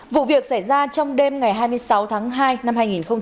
vụ việc xảy ra trong đêm ngày hai mươi sáu tháng hai năm hai nghìn hai mươi